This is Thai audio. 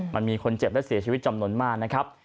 มันมีคนเจ็บและเสียชีวิตจำนวนมากนะครับ